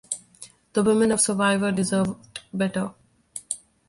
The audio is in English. The women of "Survivor" deserved better.